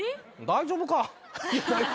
大丈夫か。